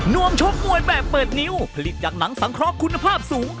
วมชกมวยแบบเปิดนิ้วผลิตจากหนังสังเคราะห์คุณภาพสูง